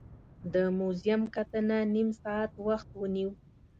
د موزیم کتنه نیم ساعت وخت ونیو.